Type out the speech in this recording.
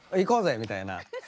みたいな。